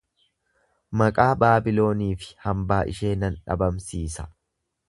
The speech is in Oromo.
Maqaa Baabiloonii fi hambaa ishee nan dhabamsiisa.